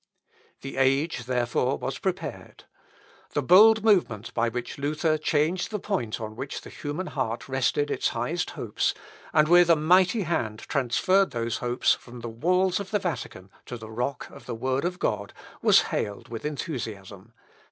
The age, therefore, was prepared. The bold movement by which Luther changed the point on which the human heart rested its highest hopes, and with a mighty hand transferred those hopes from the walls of the Vatican to the rock of the word of God, was hailed with enthusiasm.